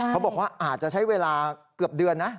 เขาบอกว่าอาจจะใช้เวลาเกือบเดือนนะ